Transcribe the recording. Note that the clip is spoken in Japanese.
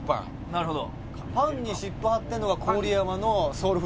なるほど。